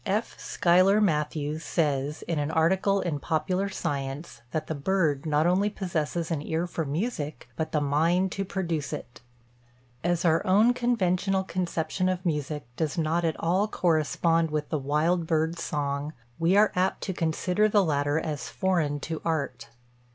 F. Schuyler Mathews says, in an article in Popular Science, that the bird not only possesses an ear for music but the mind to produce it. As our own conventional conception of music does not at all correspond with the wild bird's song, we are apt to consider the latter as foreign to art.